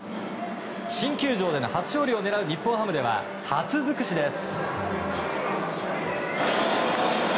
新球場での初勝利を狙う日本ハムでは初尽くしです。